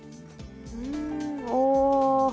うんお。